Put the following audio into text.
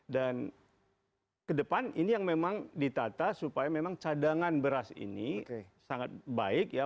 dan ke depan ini yang memang ditata supaya memang cadangan beras ini sangat baik ya